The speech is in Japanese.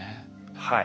はい。